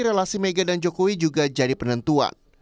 relasi mega dan jokowi juga jadi penentuan